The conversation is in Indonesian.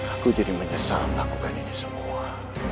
aku jadi menyesal melakukan ini semua